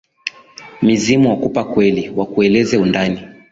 Mizimu wakupa kweli, wakueleze undani,